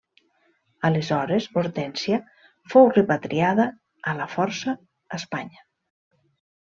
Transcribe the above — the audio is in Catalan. Aleshores Hortènsia fou repatriada a la força a Espanya.